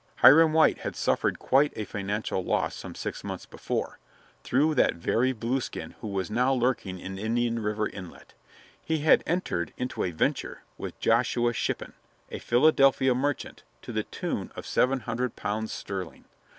Hiram White had suffered quite a financial loss some six months before, through that very Blueskin who was now lurking in Indian River inlet. He had entered into a "venture" with Josiah Shippin, a Philadelphia merchant, to the tune of seven hundred pounds sterling.